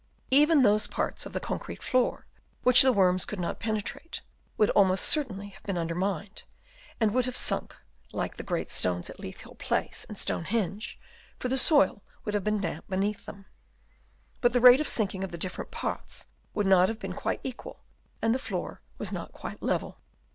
Even those parts of the concrete floor which the worms could not penetrate would almost certainly have been undermined, and would have sunk, like the great Chap. IV. OF ANCIENT BUILDINGS. 193 stones at Leith Hill Place and Stonehenge, for the soil would have been damp beneath them. But the rate of sinking of the dif ferent parts would not have been quite equal, and the floor was not quite level.